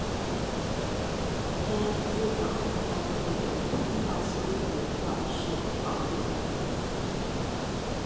该文物保护单位由通化县文管所管理。